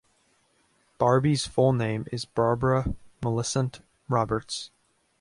Barbie's full name is Barbara Millicent Roberts.